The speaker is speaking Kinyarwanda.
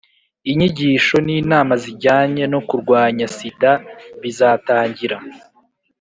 inyigisho n'inama zijyanye no kurwanya sida bizatangira